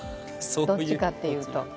どっちかっていうと。